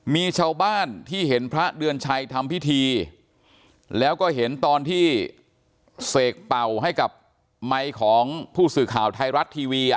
มีชาวบ้านที่เห็นพระเดือนชัยทำพิธีแล้วก็เห็นตอนที่เสกเป่าให้กับไมค์ของผู้สื่อข่าวไทยรัฐทีวี